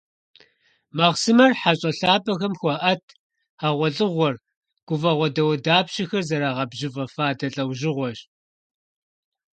Махъсымэр хьэщIэ лъапIэхэм хуаIэт, хьэгъуэлIыгъуэр, гуфIэгъуэ дауэдапщэхэр зэрагъэбжьыфIэ фадэ лIэужьыгъуэщ.